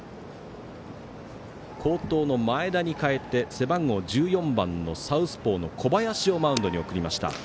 好投の前田に代えて背番号１４番のサウスポーの小林をマウンドに送りました。